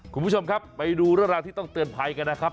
คุณผู้ชมครับไปดูเรื่องราวที่ต้องเตือนภัยกันนะครับ